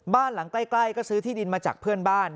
บ้านหลังใกล้ก็ซื้อที่ดินมาจากเพื่อนบ้าน